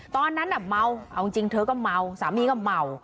ตอนนั้นน่ะเมาเอาจริงเธอก็เมาสามีก็เมา